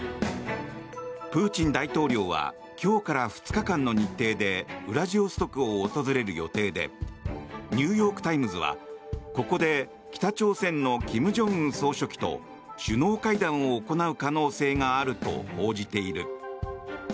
プーチン大統領は今日から２日間の日程でウラジオストクを訪れる予定でニューヨーク・タイムズはここで北朝鮮の金正恩総書記と首脳会談を行う可能性があると報じている。